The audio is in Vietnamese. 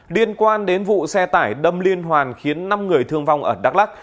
liên quan đến vụ xe tải đâm liên hoàn khiến năm người thương vong ở đắk lắc